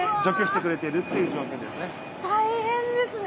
大変ですね。